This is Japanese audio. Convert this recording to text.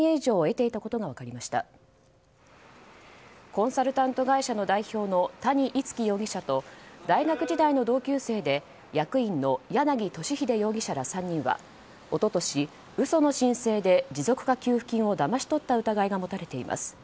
コンサルタント会社の代表の谷逸輝容疑者と大学時代の同級生で役員の柳俊秀容疑者ら３人は一昨年、嘘の申請で持続化給付金をだまし取った疑いが持たれています。